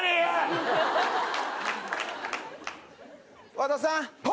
和田さん！